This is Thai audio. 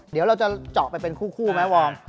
เดี๋ยวเราจะเจาะไปเป็นคู่ไหมวอร์ม